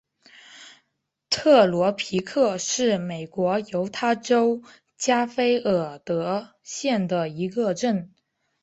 特罗皮克是美国犹他州加菲尔德县的一个镇。